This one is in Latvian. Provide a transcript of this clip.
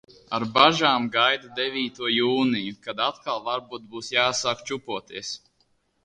Ar bažām gaidu devīto jūniju, kad atkal varbūt būs jāsāk čupoties.